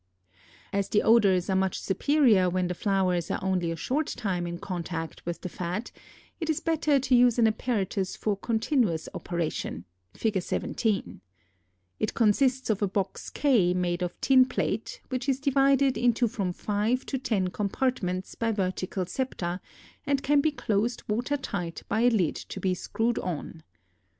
[Illustration: FIG. 17.] As the odors are much superior when the flowers are only a short time in contact with the fat, it is better to use an apparatus for continuous operation (Fig. 17). It consists of a box K made of tin plate, which is divided into from five to ten compartments by vertical septa and can be closed water tight by a lid to be screwed on.